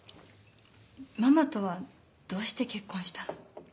ママとはどうして結婚したの？